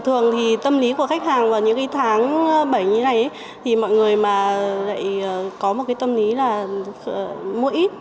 thường thì tâm lý của khách hàng vào những cái tháng bảy như này thì mọi người mà lại có một cái tâm lý là mua ít